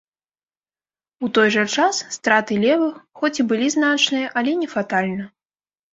У той жа час страты левых, хоць і былі значныя, але не фатальна.